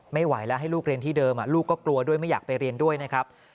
ไม่ไหวแล้วให้ลูกเรียนที่เดิมลูกก็กลัวด้วยไม่อยากไปเรียนด้วยนะครับ